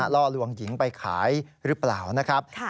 ล่อลวงหญิงไปขายหรือเปล่านะครับ